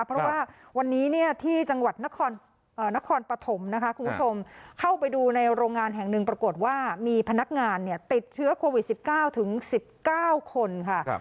เพราะว่าวันนี้ที่จังหวัดนครปฐมนะคะคุณผู้ชมเข้าไปดูในโรงงานแห่งหนึ่งปรากฏว่ามีพนักงานติดเชื้อโควิด๑๙ถึง๑๙คนค่ะ